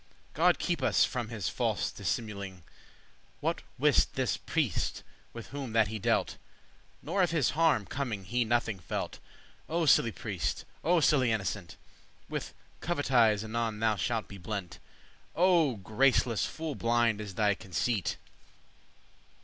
God keep us from his false dissimuling! What wiste this priest with whom that he dealt? Nor of his harm coming he nothing felt. O sely* priest, O sely innocent! *simple With covetise anon thou shalt be blent;* *blinded; beguiled O graceless, full blind is thy conceit!